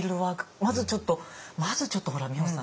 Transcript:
まずちょっとまずちょっとほら美穂さん